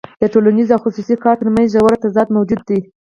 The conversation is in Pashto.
د ټولنیز او خصوصي کار ترمنځ ژور تضاد موجود دی